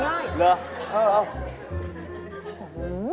มันง่าย